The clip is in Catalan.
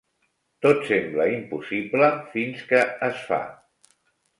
Tot sembla impossible fins que es fa.